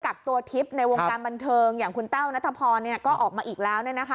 กักตัวทิพย์ในวงการบันเทิงอย่างคุณแต้วนัทพรก็ออกมาอีกแล้ว